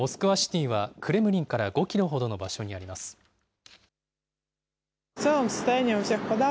モスクワシティはクレムリンから５キロほどの場所にあります。